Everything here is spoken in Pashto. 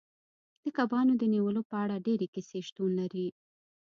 د کبانو د نیولو په اړه ډیرې کیسې شتون لري